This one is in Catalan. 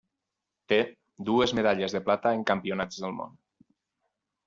Té dues medalles de plata en Campionats del Món.